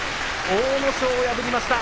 阿武咲を破りました。